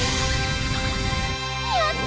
やった！